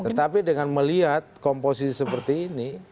tetapi dengan melihat komposisi seperti ini